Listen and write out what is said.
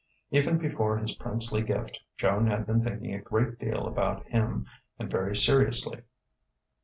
Even before his princely gift, Joan had been thinking a great deal about him, and very seriously.